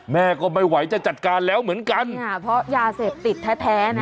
แม่ก็ไม่ไหวจะจัดการแล้วเหมือนกันค่ะเพราะยาเสพติดแท้แท้นะ